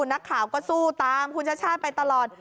นักข่าวก็ซู่ตามไปตลอด